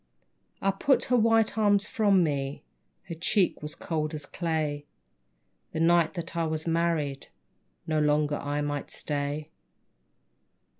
I put her white arms from me, Her cheek was cold as clay. The night that I was married No longer I might stay.